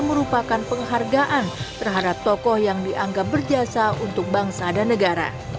merupakan penghargaan terhadap tokoh yang dianggap berjasa untuk bangsa dan negara